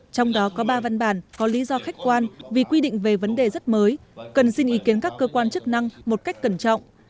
trong đó có ba văn bản có lý do khách quan vì quy định về vấn đề rất mới cần xin ý kiến các cơ quan chức năng một cách cẩn trọng